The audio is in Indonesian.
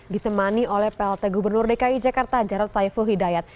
ditemani oleh plt gubernur dki jakarta